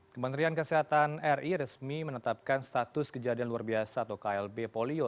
kementerian kesehatan ri resmi menetapkan status kejadian luar biasa atau klb polio